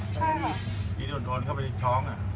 จุดว่าโดนไปท้อง